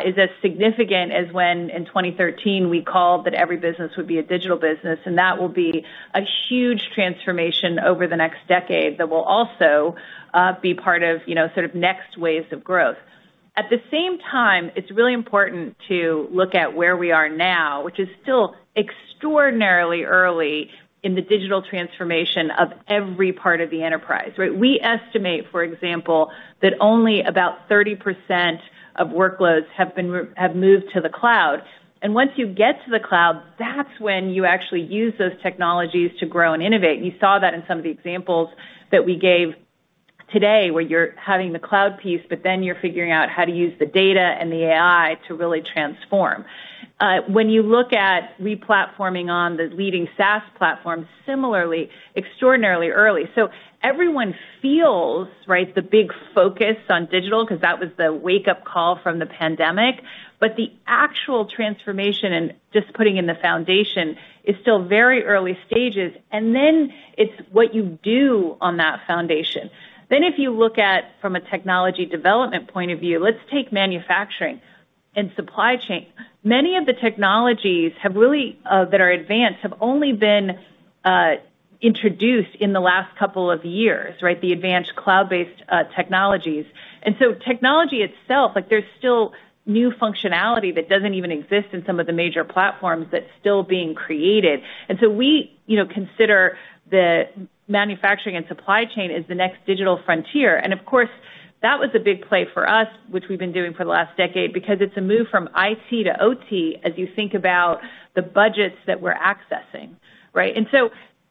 is as significant as when in 2013 we called that every business would be a digital business, and that will be a huge transformation over the next decade that will also be part of, sort of next waves of growth. At the same time, it's really important to look at where we are now, which is still extraordinarily early in the digital transformation of every part of the enterprise, right? We estimate, for example, that only about 30% of workloads have moved to the cloud. Once you get to the cloud, that's when you actually use those technologies to grow and innovate. You saw that in some of the examples that we gave today, where you're having the cloud piece, but then you're figuring out how to use the data and the AI to really transform. When you look at re-platforming on the leading SaaS platform, similarly extraordinarily early. Everyone feels, right, the big focus on digital 'cause that was the wake-up call from the pandemic, but the actual transformation and just putting in the foundation is still very early stages, and then it's what you do on that foundation. If you look at from a technology development point of view, let's take manufacturing and supply chain. Many of the really advanced technologies have only been introduced in the last couple of years, right? The advanced cloud-based technologies. Technology itself, like there's still new functionality that doesn't even exist in some of the major platforms that's still being created. We, you know, consider the manufacturing and supply chain as the next digital frontier. Of course, that was a big play for us, which we've been doing for the last decade because it's a move from IT to OT as you think about the budgets that we're accessing,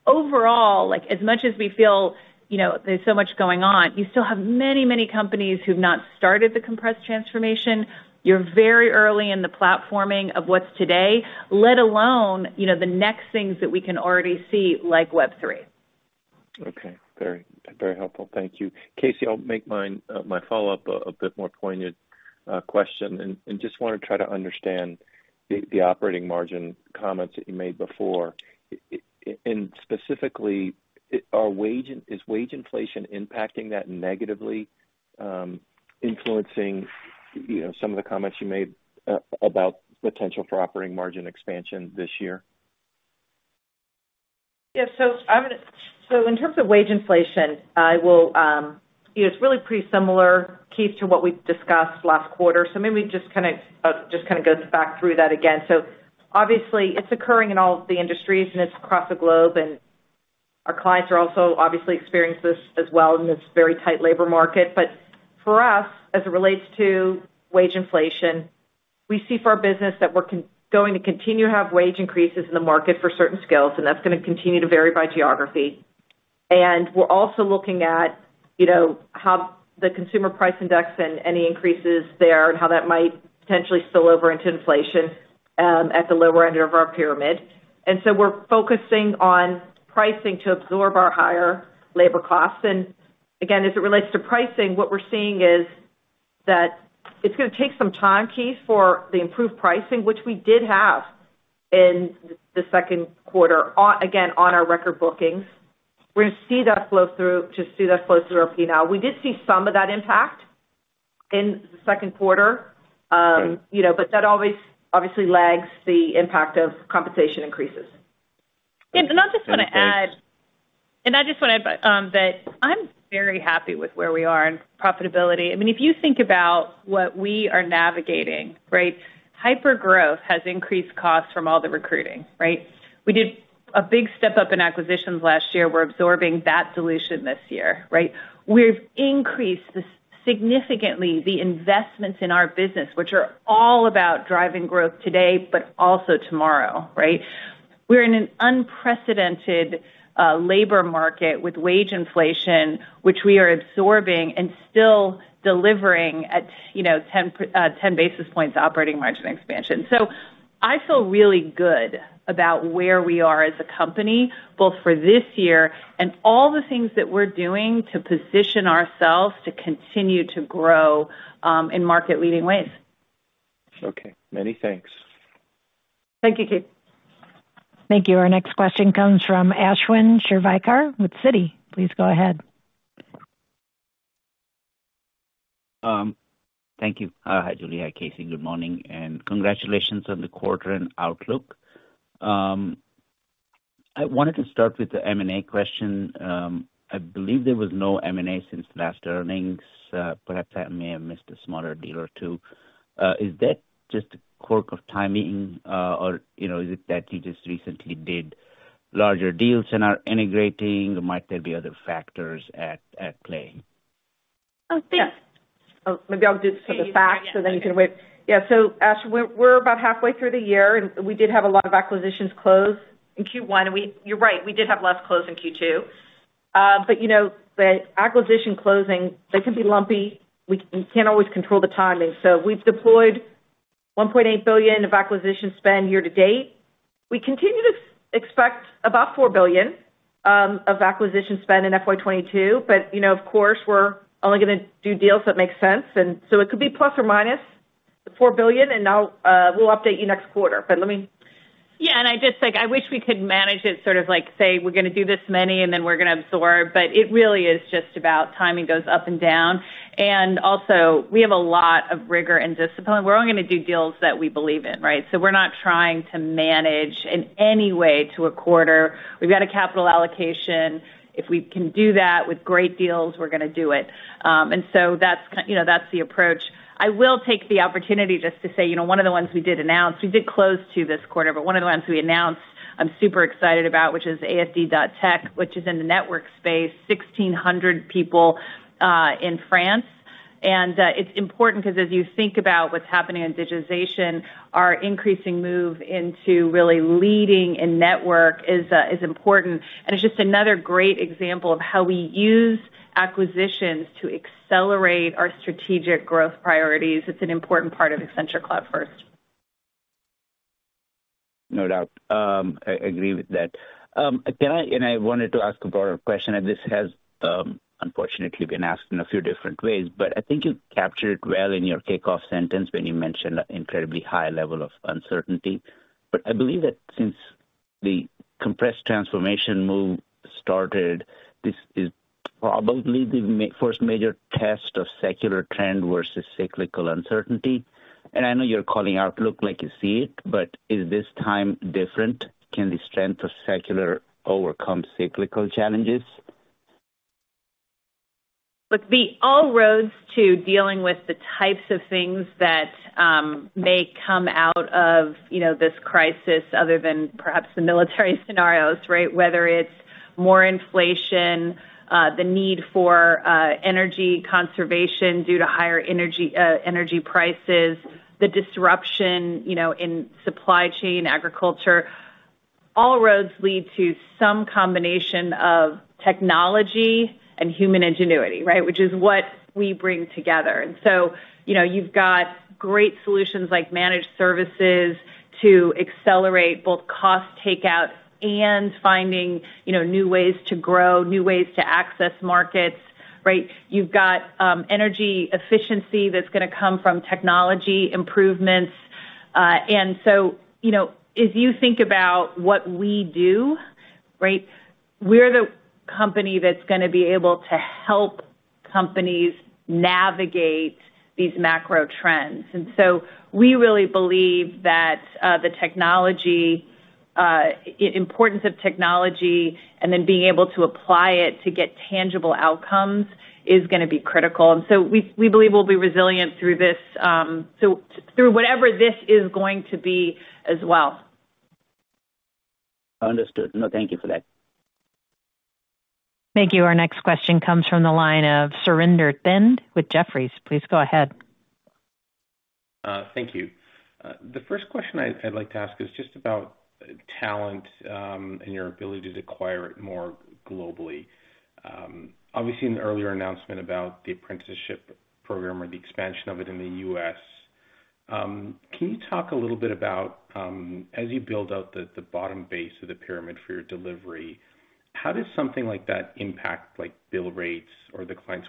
right? Overall, like, as much as we feel, you know, there's so much going on, you still have many, many companies who've not started the compressed transformation. You're very early in the platforming of what's today, let alone, you know, the next things that we can already see, like Web3. Okay. Very, very helpful. Thank you. KC McClure, I'll make my follow-up a bit more poignant question and just wanna try to understand the operating margin comments that you made before. Specifically, is wage inflation impacting that negatively, influencing, some of the comments you made about potential for operating margin expansion this year? In terms of wage inflation, it's really pretty similar, Keith, to what we've discussed last quarter. Maybe we just kinda go back through that again. Obviously it's occurring in all of the industries and it's across the globe. Our clients are also obviously experiencing this as well in this very tight labor market. But for us, as it relates to wage inflation, we see for our business that we're going to continue to have wage increases in the market for certain skills, and that's gonna continue to vary by geography. We're also looking at, how the consumer price index and any increases there and how that might potentially spill over into inflation at the lower end of our pyramid. We're focusing on pricing to absorb our higher labor costs. Again, as it relates to pricing, what we're seeing is that it's gonna take some time, Keith, for the improved pricing, which we did have in the second quarter on, again, on our record bookings. We're gonna see that flow through to our P&L. We did see some of that impact in the Q2. That always obviously lags the impact of compensation increases. I just wanna add that I'm very happy with where we are in profitability. I mean, if you think about what we are navigating, right? Hypergrowth has increased costs from all the recruiting, right? We did a big step up in acquisitions last year. We're absorbing that dilution this year, right? We've increased significantly the investments in our business, which are all about driving growth today but also tomorrow, right? We're in an unprecedented labor market with wage inflation, which we are absorbing and still delivering at, 10 basis points operating margin expansion. I feel really good about where we are as a company, both for this year and all the things that we're doing to position ourselves to continue to grow in market leading ways. Okay. Many thanks. Thank you, Keith. Thank you. Our next question comes from Ashwin Shirvaikar with Citi. Please go ahead. Thank you. Hi Julie, KC. Good morning, and congratulations on the quarter and outlook. I wanted to start with the M&A question. I believe there was no M&A since last earnings. Perhaps I may have missed a smaller deal or two. Is that just a quirk of timing? Or, is it that you just recently did larger deals and are integrating, or might there be other factors at play? Oh. Maybe I'll do sort of the facts so then you can wait. Ashwin, we're about halfway through the year and we did have a lot of acquisitions close in Q1. You're right, we did have less close in Q2. But you know, the acquisition closing, they can be lumpy. We can't always control the timing. We've deployed $1.8 billion of acquisition spend year to date. We continue to expect about $4 billion of acquisition spend in FY2022. But you know, of course, we're only gonna do deals that make sense, and so it could be plus or minus $4 billion, and we'll update you next quarter. Let me- Yeah. I just like, I wish we could manage it sort of like say, we're gonna do this many and then we're gonna absorb. It really is just about timing goes up and down. We have a lot of rigor and discipline. We're only gonna do deals that we believe in, right? We're not trying to manage in any way to a quarter. We've got a capital allocation. If we can do that with great deals, we're gonna do it. That's the approach. I will take the opportunity just to say, one of the ones we did announce, we did close two this quarter, but one of the ones we announced, I'm super excited about, which is AFD.TECH, which is in the network space, 1,600 people in France. It's important because as you think about what's happening in digitization, our increasing move into really leading in network is important. It's just another great example of how we use acquisitions to accelerate our strategic growth priorities. It's an important part of Accenture Cloud First. No doubt. I agree with that. I wanted to ask a broader question, and this has unfortunately been asked in a few different ways, but I think you captured it well in your kickoff sentence when you mentioned incredibly high level of uncertainty. I believe that since the compressed transformation move started, this is probably the first major test of secular trend versus cyclical uncertainty. I know you're calling out, like you see it, but is this time different? Can the strength of secular overcome cyclical challenges? Look, all roads to dealing with the types of things that may come out of, you know, this crisis other than perhaps the military scenarios, right? Whether it's more inflation, the need for energy conservation due to higher energy prices, the disruption, in supply chain, agriculture, all roads lead to some combination of technology and human ingenuity, right? Which is what we bring together. You've got great solutions like managed services to accelerate both cost takeout and finding, new ways to grow, new ways to access markets, right? You've got energy efficiency that's gonna come from technology improvements. As you think about what we do, right, we're the company that's gonna be able to help companies navigate these macro trends. We really believe that the importance of technology and then being able to apply it to get tangible outcomes is gonna be critical. We believe we'll be resilient through this, through whatever this is going to be as well. Understood. No, thank you for that. Thank you. Our next question comes from the line of Surinder Thind with Jefferies. Please go ahead. Thank you. The first question I'd like to ask is just about talent and your ability to acquire it more globally. Obviously, in the earlier announcement about the apprenticeship program or the expansion of it in the U.S., can you talk a little bit about as you build out the bottom base of the pyramid for your delivery, how does something like that impact like bill rates or the client's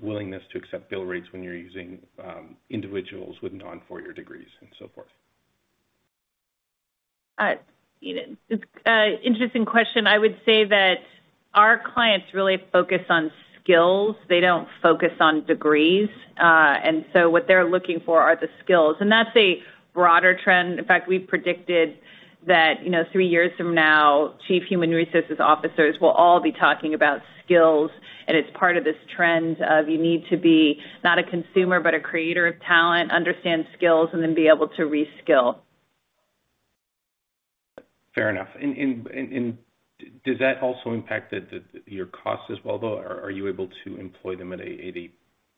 willingness to accept bill rates when you're using individuals with non four-year degrees and so forth? You know, it's interesting question. I would say that our clients really focus on skills. They don't focus on degrees. What they're looking for are the skills, and that's a broader trend. In fact, we predicted that, you know, three years from now, Chief Human Resources Officers will all be talking about skills. It's part of this trend of you need to be not a consumer, but a creator of talent, understand skills, and then be able to re-skill. Fair enough. Does that also impact your cost as well, though? Are you able to employ them at a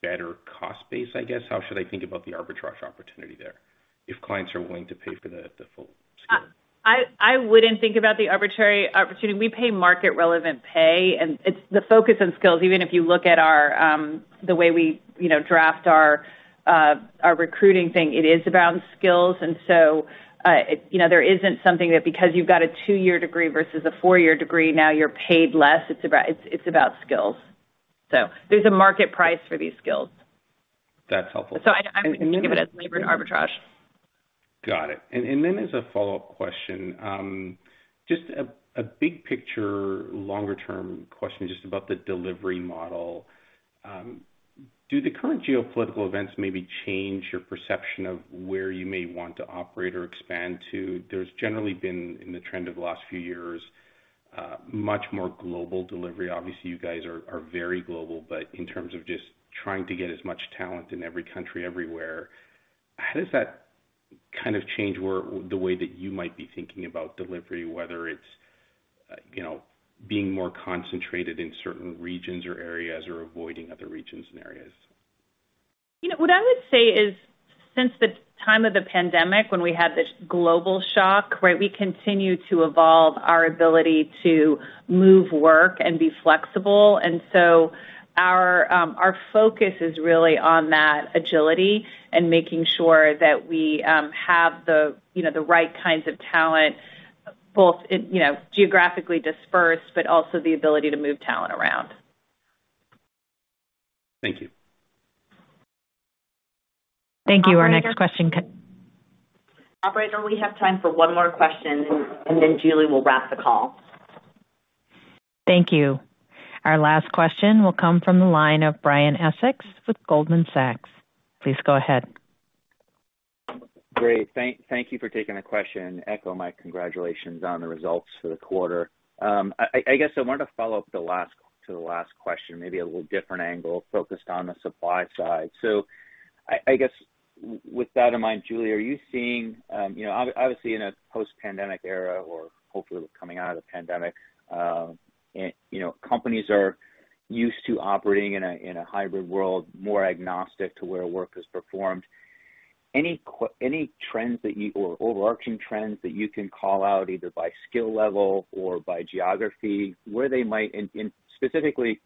better cost base, I guess? How should I think about the arbitrage opportunity there if clients are willing to pay for the full scale? I wouldn't think about the arbitrary opportunity. We pay market relevant pay, and it's the focus on skills. Even if you look at our the way we you know draft our recruiting thing, it is around skills. There isn't something that because you've got a two-year degree versus a four-year degree, now you're paid less. It's about skills. There's a market price for these skills. That's helpful. I wouldn't think of it as labor arbitrage. Got it. As a follow-up question, just a big picture, longer term question just about the delivery model. Do the current geopolitical events maybe change your perception of where you may want to operate or expand to? There's generally been in the trend of the last few years, much more global delivery. Obviously, you guys are very global, but in terms of just trying to get as much talent in every country everywhere, how does that kind of change the way that you might be thinking about delivery, whether it's, being more concentrated in certain regions or areas or avoiding other regions and areas? What I would say is since the time of the pandemic when we had this global shock, right, we continue to evolve our ability to move work and be flexible. Our focus is really on that agility and making sure that we have the right kinds of talent, both in, geographically dispersed, but also the ability to move talent around. Thank you. Thank you. Our next question. Operator, we have time for one more question, and then Julie will wrap the call. Thank you. Our last question will come from the line of Brian Essex with Goldman Sachs. Please go ahead. Great. Thank you for taking the question. Echo my congratulations on the results for the quarter. I guess I wanted to follow up to the last question, maybe a little different angle focused on the supply side. I guess with that in mind, Julie, are you seeing, obviously in a post-pandemic era or hopefully coming out of the pandemic, and, companies are used to operating in a hybrid world, more agnostic to where work is performed. Any trends or overarching trends that you can call out, either by skill level or by geography, where they might and specifically,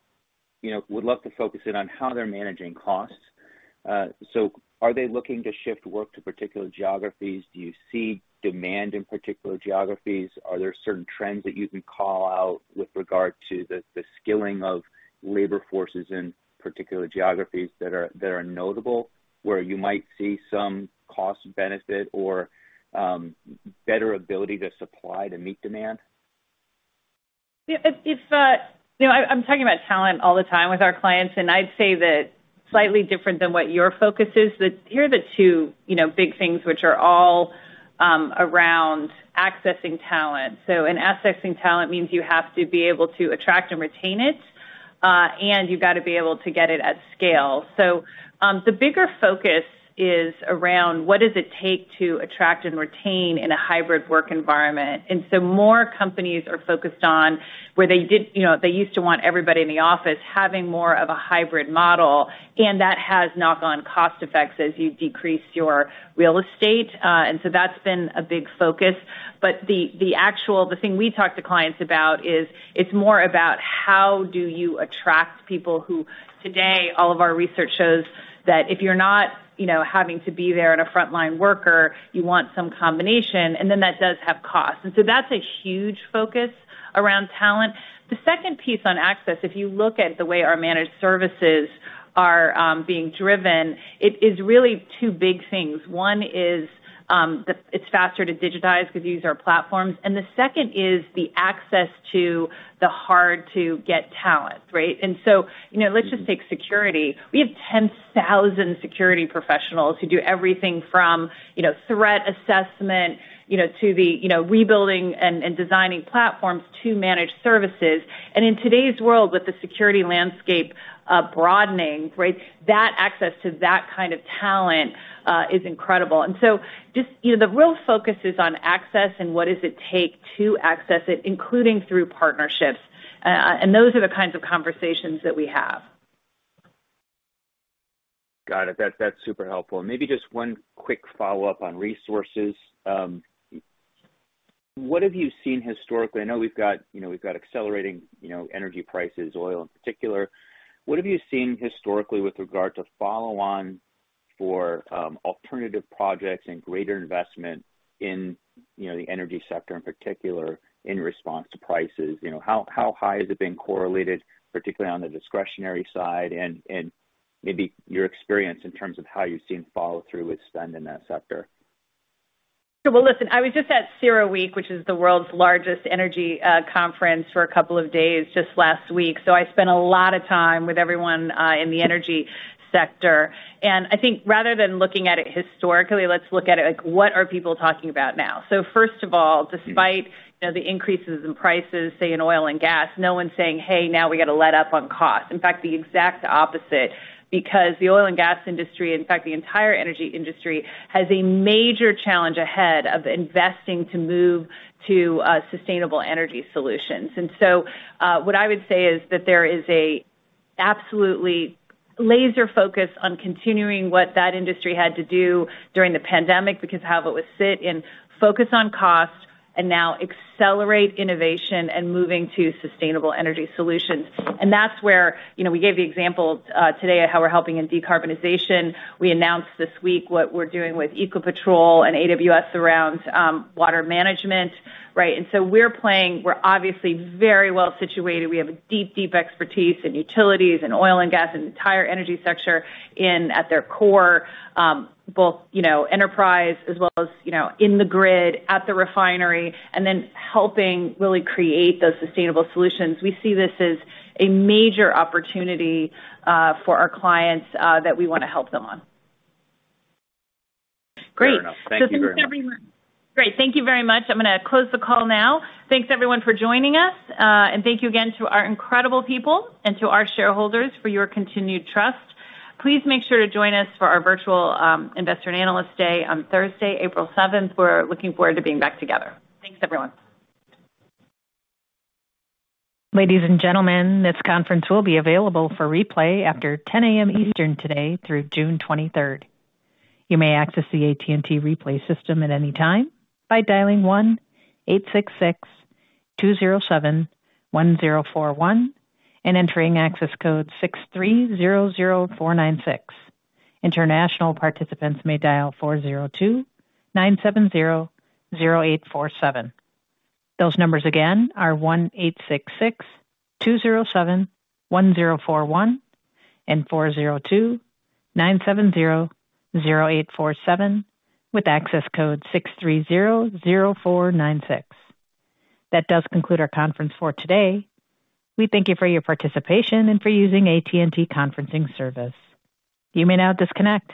would love to focus in on how they're managing costs. Are they looking to shift work to particular geographies? Do you see demand in particular geographies? Are there certain trends that you can call out with regard to the skilling of labor forces in particular geographies that are notable, where you might see some cost benefit or better ability to supply to meet demand? Yeah, it's, I'm talking about talent all the time with our clients, and I'd say that slightly different than what your focus is. Here are the two, big things which are all around accessing talent. Accessing talent means you have to be able to attract and retain it, and you've got to be able to get it at scale. The bigger focus is around what does it take to attract and retain in a hybrid work environment. More companies are focused on where they did, they used to want everybody in the office having more of a hybrid model, and that has knock-on cost effects as you decrease your real estate. That's been a big focus. The actual thing we talk to clients about is it's more about how do you attract people who today all of our research shows that if you're not, having to be there and a frontline worker, you want some combination, and then that does have cost. That's a huge focus around talent. The second piece on access, if you look at the way our managed services are being driven, it is really two big things. One is it's faster to digitize because you use our platforms, and the second is the access to the hard-to-get talent, right? Let's just take security. We have 10,000 security professionals who do everything from, threat assessment, to the rebuilding and designing platforms to managed services. In today's world, with the security landscape broadening, right? That access to that kind of talent is incredible. Just, the real focus is on access and what does it take to access it, including through partnerships. Those are the kinds of conversations that we have. Got it. That's super helpful. Maybe just one quick follow-up on resources. What have you seen historically? I know we've got, we've got accelerating, energy prices, oil in particular. What have you seen historically with regard to follow on for alternative projects and greater investment in, the energy sector in particular in response to prices? How high has it been correlated, particularly on the discretionary side and maybe your experience in terms of how you've seen follow through with spend in that sector? Well, listen, I was just at CERAWeek, which is the world's largest energy conference, for a couple of days just last week. I spent a lot of time with everyone in the energy sector. I think rather than looking at it historically, let's look at it like, what are people talking about now? First of all, despite, you know, the increases in prices, say, in oil and gas, no one's saying, "Hey, now we got to let up on cost." In fact, the exact opposite, because the oil and gas industry, in fact, the entire energy industry has a major challenge ahead of investing to move to sustainable energy solutions. What I would say is that there is an absolutely laser focus on continuing what that industry had to do during the pandemic because of how it was hit and focus on cost and now accelerate innovation and moving to sustainable energy solutions. That's where, you know, we gave the example today of how we're helping in decarbonization. We announced this week what we're doing with Ecopetrol and AWS around water management, right? We're obviously very well situated. We have a deep expertise in utilities and oil and gas and entire energy sector right at their core, both, you know, enterprise as well as, in the grid at the refinery, and then helping really create those sustainable solutions. We see this as a major opportunity for our clients that we wanna help them on. Fair enough. Thank you very much. Great. Thank you very much. I'm gonna close the call now. Thanks, everyone, for joining us. Thank you again to our incredible people and to our shareholders for your continued trust. Please make sure to join us for our virtual investor and analyst day on Thursday, April 7. We're looking forward to being back together. Thanks, everyone. Ladies and gentlemen, this conference will be available for replay after 10 a.m. Eastern Time today through June 23. You may access the AT&T replay system at any time by dialing 1-866-207-1041 and entering access code 6300496. International participants may dial 402-970-0847. Those numbers again are 1-866-207-1041 and 402-970-0847 with access code 6300496. That does conclude our conference for today. We thank you for your participation and for using AT&T conferencing service. You may now disconnect.